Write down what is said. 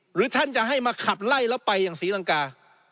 หรือท่านจะให้มาขับไล่แล้วไปอย่างศรีลังกา